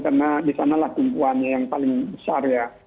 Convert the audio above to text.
karena disanalah kumpulannya yang paling besar ya